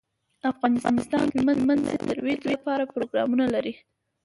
افغانستان د هلمند سیند د ترویج لپاره پروګرامونه لري.